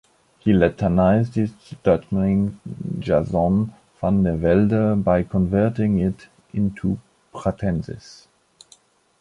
He Latinized his Dutch name Jason van der Velde by converting it into Pratensis.